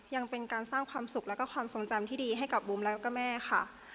ยังเป็นการสร้างความสุขแล้วก็ความทรงจำที่ดีให้กับบุ๋มแล้วก็แม่ค่ะ